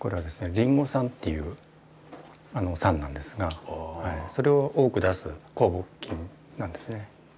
リンゴ酸っていう酸なんですがそれを多く出す酵母菌なんですね。